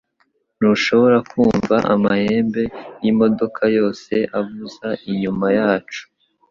Ntushobora kumva amahembe yimodoka yose avuza inyuma yacu